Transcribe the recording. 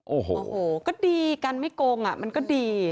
โอ้โหก็ดีกันไม่โกงอ่ะมันก็ดี